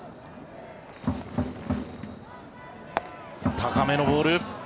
高めのボール。